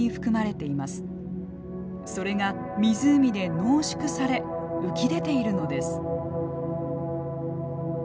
それが湖で濃縮され浮き出ているのです。